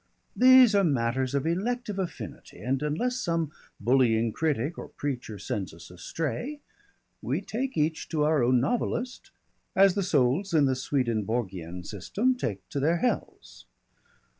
These are matters of elective affinity, and unless some bullying critic or preacher sends us astray, we take each to our own novelist as the souls in the Swedenborgian system take to their hells.